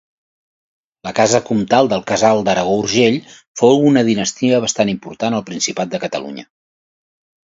La casa comtal del Casal d'Aragó-Urgell fou una dinastia bastant important al Principat de Catalunya.